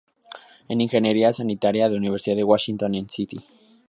En ingeniería sanitaria de Universidad de Washington en St.